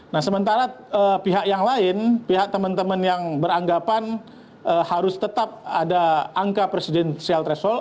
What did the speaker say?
nah sementara pihak yang lain pihak teman teman yang beranggapan harus tetap ada angka presidensial threshold